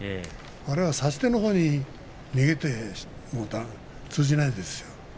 あれは差し手のほうに逃げて通じないですよ。